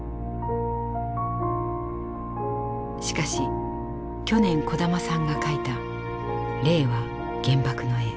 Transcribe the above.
しかし去年小玉さんが描いた「令和原爆の絵」。